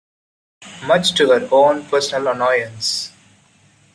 Much to her own personal annoyance.